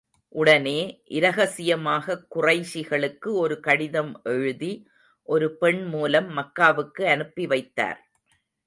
உடனே, இரகசியமாகக் குறைஷிகளுக்கு ஒரு கடிதம் எழுதி, ஒரு பெண் மூலம் மக்காவுக்கு அனுப்பி வைத்தார்.